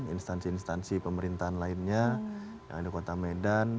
instansi instansi pemerintahan lainnya yang ada di kota medan